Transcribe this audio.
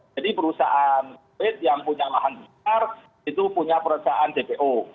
jadi perusahaan sawit yang punya lahan besar itu punya perusahaan gpo